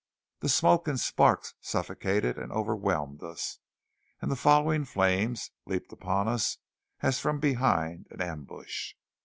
The smoke and sparks suffocated and overwhelmed us, and the following flames leaped upon us as from behind an ambush.